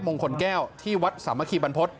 มงคลแก้วที่วัดสามัคคีบรรพฤษ